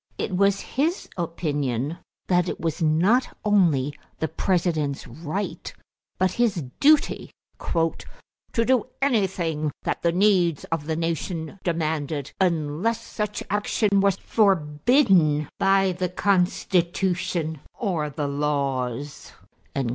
It was his opinion that it was not only the President's right but his duty "to do anything that the needs of the nation demanded unless such action was forbidden by the Constitution or the laws."